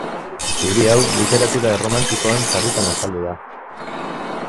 Zubi hau literatura erromantikoan sarritan azaldu da.